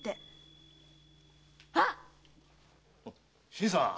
新さん！